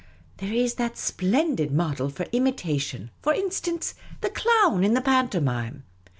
There is that splendid model for imitation, for in stance, the Clown in the pantomime.